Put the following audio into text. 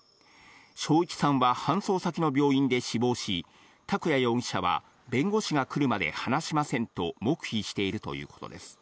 松一さんは搬送先の病院で死亡し、拓弥容疑者は弁護士が来るまで話しませんと黙秘しているということです。